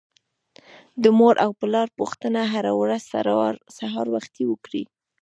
د مور او پلار پوښتنه هر ورځ سهار وختي وکړئ.